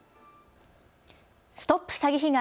ＳＴＯＰ詐欺被害！